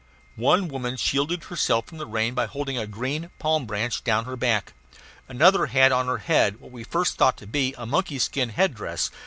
One woman shielded herself from the rain by holding a green palm branch down her back. Another had on her head what we at first thought to be a monkey skin head dress.